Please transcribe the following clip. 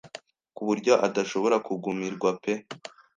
kuburyo adashobora kugumirwa pe